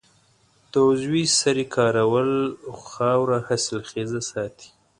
د عضوي سرې کارول خاوره حاصلخیزه ساتي.